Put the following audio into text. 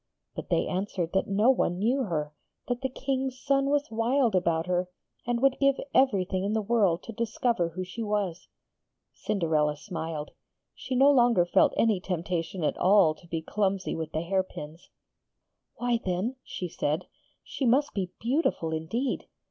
But they answered that no one knew her; that the King's son was wild about her, and would give everything in the world to discover who she was. Cinderella smiled. She no longer felt any temptation at all to be clumsy with the hairpins. 'Why then,' she said, 'she must be beautiful indeed.